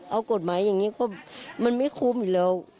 เอากฎหมายอย่างนี้ก็มันไม่คุ้มอยู่แล้ว